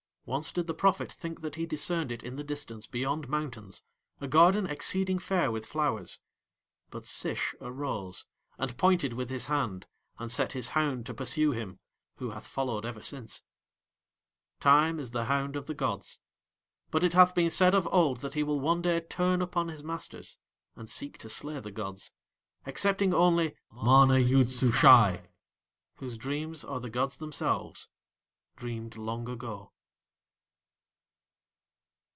Once did the prophet think that he discerned it in the distance beyond mountains, a garden exceeding fair with flowers; but Sish arose, and pointed with his hand, and set his hound to pursue him, who hath followed ever since. Time is the hound of the gods; but it hath been said of old that he will one day turn upon his masters, and seek to slay the gods, excepting only MANA YOOD SUSHAI, whose dreams are the gods themselves dreamed long ago.